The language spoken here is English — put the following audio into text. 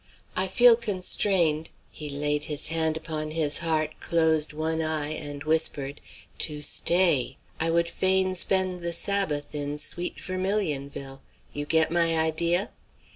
I feel constrained" he laid his hand upon his heart, closed one eye, and whispered "to stay. I would fain spend the sabbath in sweet Vermilionville. You get my idea?"